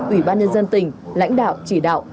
ủy ban nhân dân tỉnh lãnh đạo chỉ đạo